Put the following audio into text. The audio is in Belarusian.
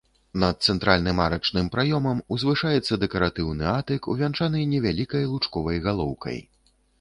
Над цэнтральным арачным праёмам узвышаецца дэкаратыўны атык, увянчаны невялікай лучковай галоўкай.